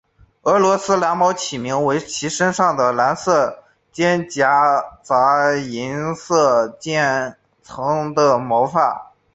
俄罗斯蓝猫起名为其身上蓝色间杂银色渐层的毛发。